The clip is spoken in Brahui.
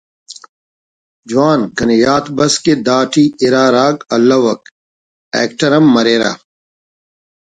جوان کنے یات بس کہ دا ٹی اِرا راگ ہلوک ”ایکٹر“ ہم مریرہ